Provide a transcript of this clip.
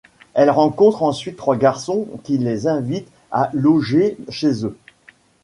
Elles rencontrent ensuite trois garçons qui les invitent à loger chez eux...